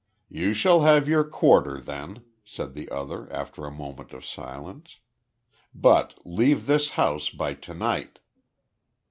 "You shall have your quarter, then," said the other, after a moment of silence. "But leave this house by to night."